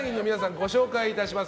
ご紹介いたします。